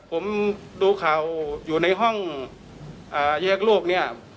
ผมดูข่าวอยู่ในห้องแยกลูกเนี่ย